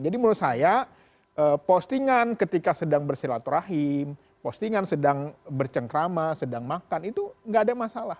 jadi menurut saya postingan ketika sedang bersilaturahim postingan sedang bercengkrama sedang makan itu enggak ada masalah